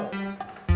terima kasih ya mas